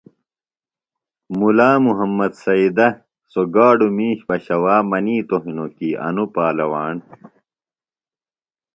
مُلا محمد سیدہ سوۡ گاڈوۡ مِش پشوا منِیتوۡ ہِنوۡ کی انوۡ پالواݨ